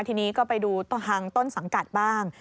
ทีนี้ก็ไปดูทางต้นสังกัดบ้าง